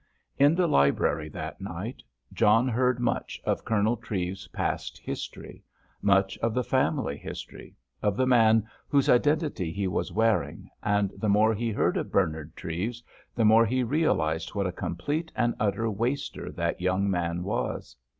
In the library that night John heard much of Colonel Treves's past history, much of the family history, of the man whose identity he was wearing, and the more he heard of Bernard Treves the more he realised what a complete and utter waster that young man was.